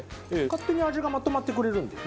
勝手に味がまとまってくれるんで。